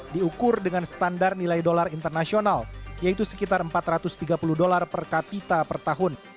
diukur dengan standar nilai dolar internasional yaitu sekitar empat ratus tiga puluh dolar per kapita per tahun